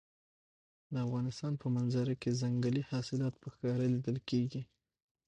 د افغانستان په منظره کې ځنګلي حاصلات په ښکاره لیدل کېږي.